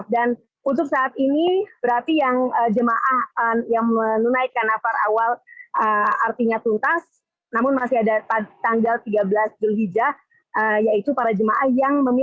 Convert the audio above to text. dan untuk saat ini berarti yang jemaah yang menunaikan nafar awal artinya tuntas namun masih ada tanggal tiga belas julhijjah yaitu para jemaah yang memilih